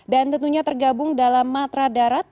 dan tentunya tergabung dalam matra dan perusahaan